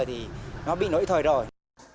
thì nó bị nổi thời rồi